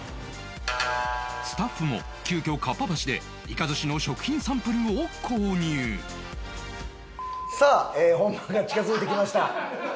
スタッフも急遽かっぱ橋でイカ寿司の食品サンプルを購入さあ本番が近付いてきました。